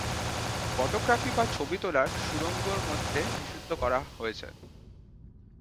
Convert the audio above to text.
Photography বা ছবি তোলা সুড়ঙ্গ মধ্যে নিষিদ্ধ করা হয়েছে।